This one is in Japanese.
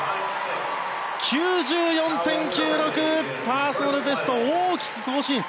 パーソナルベストを大きく更新！